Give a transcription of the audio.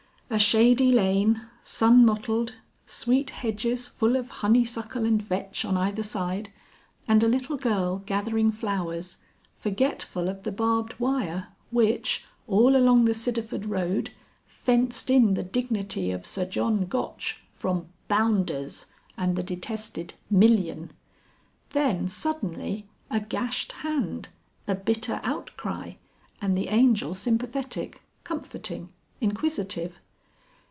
A shady lane, sun mottled, sweet hedges full of honeysuckle and vetch on either side, and a little girl gathering flowers, forgetful of the barbed wire which, all along the Sidderford Road, fenced in the dignity of Sir John Gotch from "bounders" and the detested "million." Then suddenly a gashed hand, a bitter outcry, and the Angel sympathetic, comforting, inquisitive.